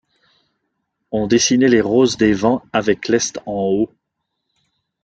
on dessinait les roses des vents avec l'est en haut.